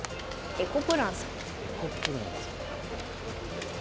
エコ・プランさん。